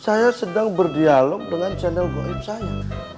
saya sedang berdialong dengan channel go'ib saya